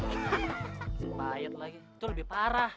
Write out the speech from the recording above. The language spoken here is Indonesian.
expired lagi itu lebih parah